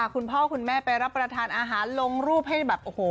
คุณพ่อคุณแม่ไปรับประทานอาหารลงรูปให้แบบโอ้โห